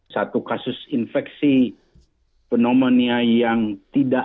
satu kasus infeksi pneumonia yang tidak